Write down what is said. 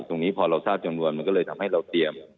ตรงนี้พอเราทราบจำนวนมันก็เลยทำให้เราเตรียม